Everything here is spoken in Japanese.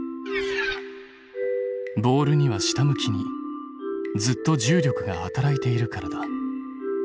ボールには下向きにずっと重力が働いているからだ。